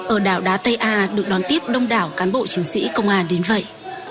ở đảo đá tây a được đoán tiếp đông đảo cán bộ trưởng sĩ công an đến vậy